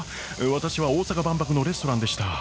私は大阪万博のレストランでした。